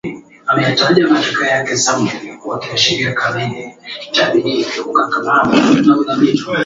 Kabla Mzee Mtoro Rehani hajarejea kutoka msalani